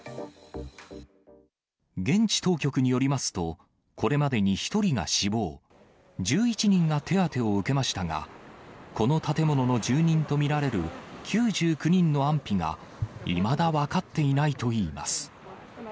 現地当局によりますと、これまでに１人が死亡、１１人が手当てを受けましたが、この建物の住人と見られる９９人の安否が、いまだ分かっていないといいます。